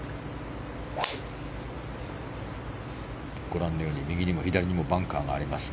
ご覧のように右にも左にもバンカーがあります。